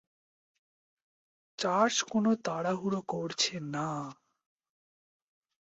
Church কোন তাড়াহুড়ো করছে না।